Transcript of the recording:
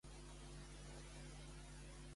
Hi ha diferents classes de bubotes?